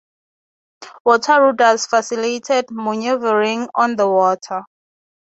Water rudders facilitated manoeuvring on the water.